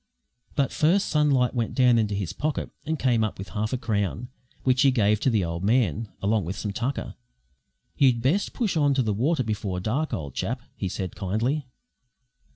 But first Sunlight went down into his pocket and came up with half a crown, which he gave to the old man, along with some tucker. "You'd best push on to the water before dark, old chap," he said, kindly.